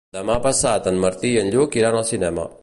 Demà passat en Martí i en Lluc iran al cinema.